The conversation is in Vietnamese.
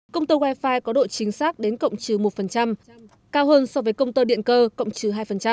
công tơ wifi có độ chính xác đến cộng trừ một cao hơn so với công tơ điện cơ cộng trừ hai